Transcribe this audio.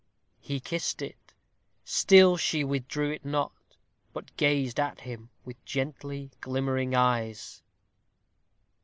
He kissed it. Still she withdrew it not, but gazed at him with gently glimmering eyes.